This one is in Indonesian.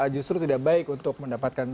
justru tidak baik untuk mendapatkan